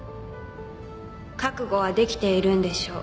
「覚悟はできているんでしょ？」